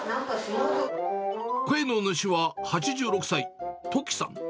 声の主は８６歳、トキさん。